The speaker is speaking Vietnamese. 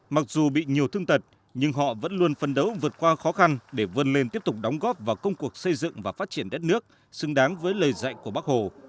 mặc dù bị nhiều thương tật nhưng họ vẫn luôn phân đấu vượt qua khó khăn để vươn lên tiếp tục đóng góp vào công cuộc xây dựng và phát triển đất nước xứng đáng với lời dạy của bác hồ